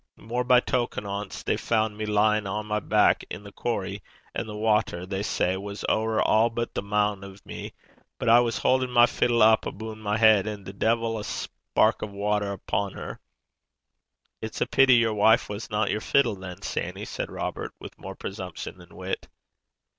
Mair by token, ance they fand me lyin' o' my back i' the Corrie, an' the watter, they say, was ower a' but the mou' o' me; but I was haudin' my fiddle up abune my heid, and de'il a spark o' watter was upo' her.' 'It's a pity yer wife wasna yer fiddle, than, Sanny,' said Robert, with more presumption than wit.